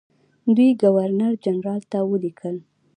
دوی ګورنرجنرال ته ولیکل.